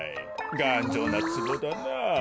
がんじょうなつぼだなあ。